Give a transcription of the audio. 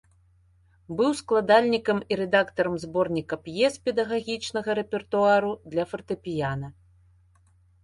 Быў складальнікам і рэдактарам зборніка п'ес педагагічнага рэпертуару для фартэпіяна.